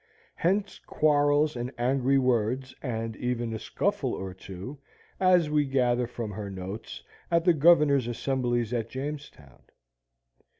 Hence quarrels and angry words, and even a scuffle or two, as we gather from her notes, at the Governor's assemblies at Jamestown.